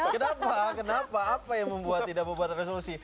kenapa kenapa apa yang membuat tidak membuat resolusi